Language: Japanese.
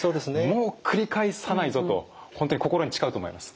もう繰り返さないぞと本当に心に誓うと思います。